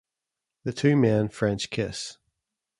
The two men French kiss.